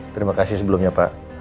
terima kasih sebelumnya pak